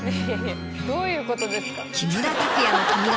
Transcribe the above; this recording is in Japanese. どういうことですか？